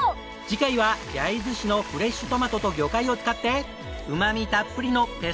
次回は焼津市のフレッシュトマトと魚介を使ってうまみたっぷりのペスカトーレに！